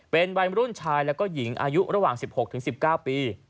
เป็นวัยรุ่นชายแล้วก็หญิงอายุระหว่าง๑๖๑๙ปี